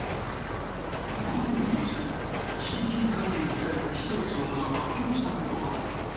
午前２時、緊急会見を開いた気象庁が発表したことは。